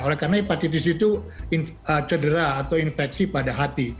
oleh karena hepatitis itu cedera atau infeksi pada hati